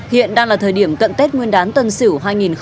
hiện đang là thời điểm cận tết nguyên đán tân sỉu hai nghìn hai mươi một